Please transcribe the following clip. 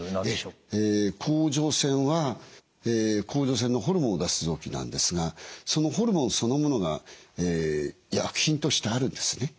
甲状腺は甲状腺のホルモンを出す臓器なんですがそのホルモンそのものが薬品としてあるんですね。